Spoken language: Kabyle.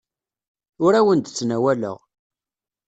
Ur awen-d-ttnawaleɣ.